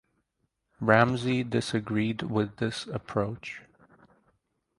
Ramsey disagreed with this approach.